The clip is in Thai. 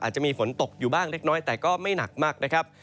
จะมีฝนตกอยู่บ้างเล็กน้อยแต่ก็ไม่หนักมากนะครับ